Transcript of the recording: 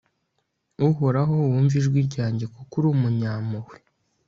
uhoraho, wumve ijwi ryanjye, kuko uri umunyampuhwe